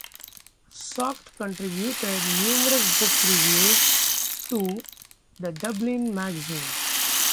Salkeld contributed numerous book reviews to "The Dublin Magazine".